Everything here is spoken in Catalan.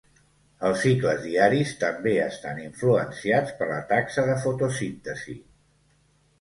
Els cicles diaris també estan influenciats per la taxa de fotosíntesi.